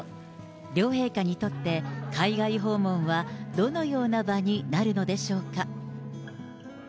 両陛下にとって海外訪問はどのような場になるのでしょうか。